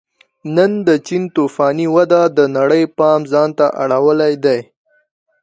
نن د چین توفاني وده د نړۍ پام ځان ته اړولی دی